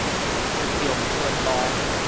長春路